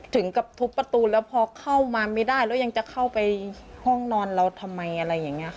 ถึงกับทุบประตูแล้วพอเข้ามาไม่ได้แล้วยังจะเข้าไปห้องนอนเราทำไมอะไรอย่างนี้ค่ะ